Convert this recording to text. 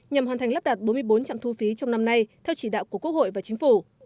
nhằm hoàn thành lắp đặt bốn mươi bốn trạm thu phí trong năm nay theo chỉ đạo của quốc hội và chính phủ